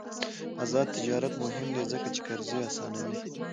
آزاد تجارت مهم دی ځکه چې قرضې اسانوي.